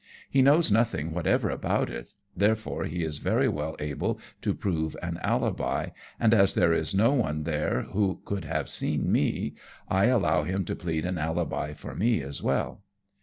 He knows nothing whatever about it, therefore he is very well able to prove an alibi, and as there is no one there who could have seen me, I allow him to plead an alibi for me as well.